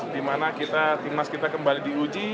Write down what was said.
di mana tim emas kita kembali diuji